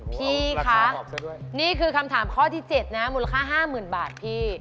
พี่คะนี่คือคำถามข้อที่๗นะมูลค่า๕๐๐๐บาทพี่